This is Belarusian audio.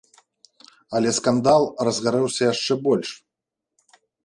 Але скандал разгарэўся яшчэ больш.